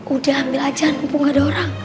udah ambil aja numpung gaada orang